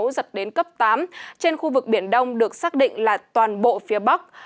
giật đến cấp tám trên khu vực biển đông được xác định là toàn bộ phía bắc